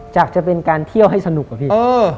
จะเป็นการเที่ยวให้สนุกอะพี่